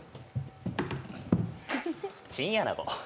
チンアナゴ。